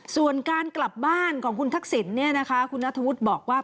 ส่วนการกลับบ้านของคุณทักษิณคุณนัทธวุฒิบอกว่า